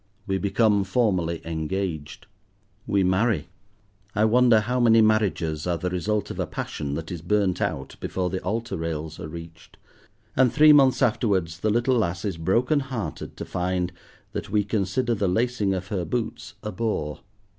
We become formally engaged. We marry—I wonder how many marriages are the result of a passion that is burnt out before the altar rails are reached?—and three months afterwards the little lass is broken hearted to find that we consider the lacing of her boots a bore.